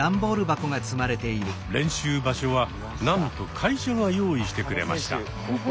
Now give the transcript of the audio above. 練習場所はなんと会社が用意してくれました。